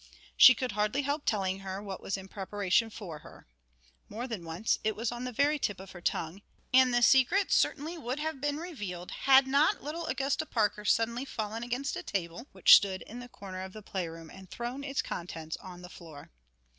She could hardly help telling her what was in preparation for her. More than once it was on the very tip of her tongue, and the secret certainly would have been revealed had not little Augusta Parker suddenly fallen against a table, which stood in the corner of the play room and thrown its contents on the floor.